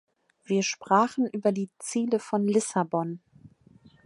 Wir sprachen über die Ziele von Lissabon.